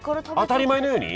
当たり前のように？